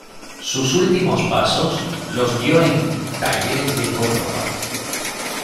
Sus últimos pasos los dio en Talleres de Córdoba.